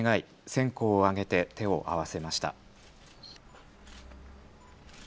線香を上げて手を合わせました。